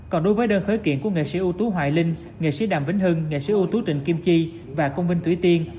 còn đối với đơn khởi kiện của nghệ sĩ ưu tú hoài linh nghệ sĩ đàm vĩnh hưng nghệ sĩ ưu tú trịnh kim chi và công binh thủy tiên